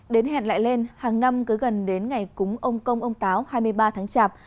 đến hẹn lại lên hàng năm cứ gần đến ngày cúng ông công ông táo hai mươi ba tháng chạp